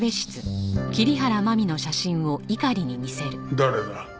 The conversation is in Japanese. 誰だ？